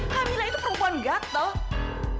kamila itu perempuan gatel